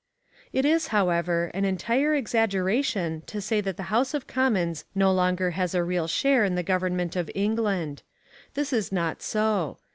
It is, however, an entire exaggeration to say that the House of Commons no longer has a real share in the government of England. This is not so.